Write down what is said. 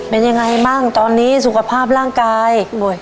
เป็นยังไงบ้างตอนนี้สุขภาพร่างกายป่วย